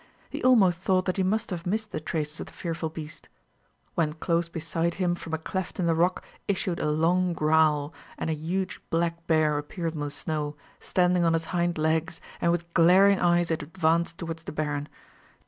He almost thought that he must have missed the traces of the fearful beast; when close beside him from a cleft in the rock issued a long growl, and a huge black bear appeared on the snow, standing on its hind legs, and with glaring eyes it advanced towards the baron.